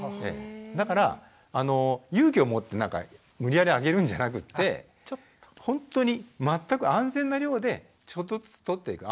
だから勇気を持って無理やりあげるんじゃなくってほんとに全く安全な量でちょっとずつとっていく。